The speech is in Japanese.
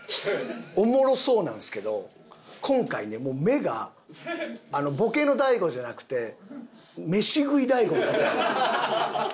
おもろそうなんですけど今回ねもう目がボケの大悟じゃなくてメシ食い大悟になってたんですよ。